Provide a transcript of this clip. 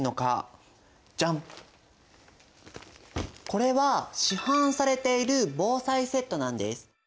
これは市販されている防災セットなんです。